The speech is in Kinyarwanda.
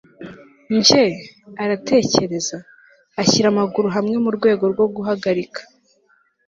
njye? aratekereza, ashyira amaguru hamwe mu rwego rwo guhagarika